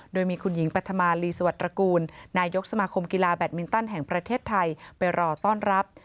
โดยมีคุณหญิงปัธมาลีสวัสตระกูลนายกสมาคมกีฬาแบตมินตันแห่งประเทศไทยไปรอต้อนรับ